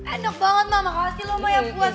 enak banget mama kasih lo banyak puas